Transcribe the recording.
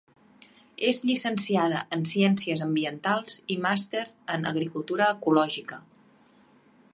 És llicenciada en ciències ambientals i màster en agricultura ecològica.